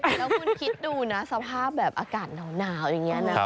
แล้วคุณคิดดูนะสภาพแบบอากาศหนาวอย่างนี้นะ